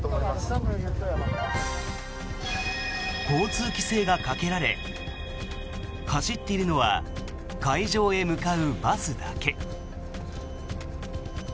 交通規制がかけられ走っているのは会場へ向かうバスだけ。